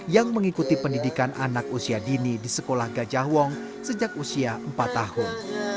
yang mengikuti pendidikan anak usia dini di sekolah gajah wong sejak usia empat tahun